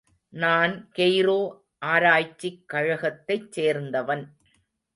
நான் கெய்ரோ ஆராய்ச்சிக் கழகத்தைச் சேர்ந்தவன்.